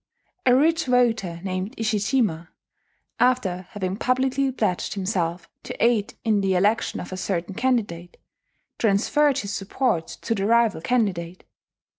A rich voter named Ishijima, after having publicly pledged himself to aid in the election of a certain candidate, transferred his support to the rival candidate.